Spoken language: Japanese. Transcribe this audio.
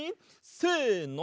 せの！